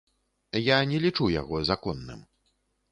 Я не лічу яго законным.